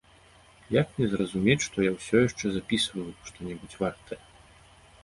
Як мне зразумець, што я ўсё яшчэ запісваю што-небудзь вартае?